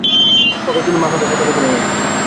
তখন তিনি বাম হাতে পতাকা তুলে ধরলেন।